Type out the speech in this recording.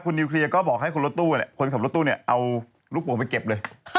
คุณนิวเคลียร์ก็บอกให้คนขอบรถตู้เอาลูกโป่งไปเก็บเลย